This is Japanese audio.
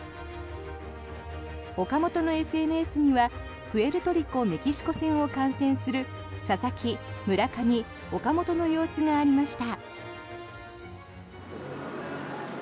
岡本のＳＮＳにはプエルトリコ・メキシコ戦を観戦する佐々木、村上、岡本の様子がありました。